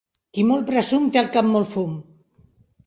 Qui molt presum té al cap molt fum.